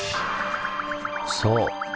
そう。